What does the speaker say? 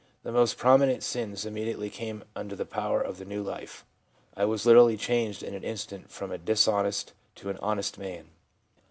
'The most prominent sins immediately came under the power of the new life. I was literally changed in an instant from a dishonest to an honest man.'